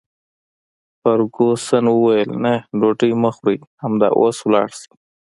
فرګوسن وویل: نه، ډوډۍ مه خورئ، همدا اوس ولاړ شئ.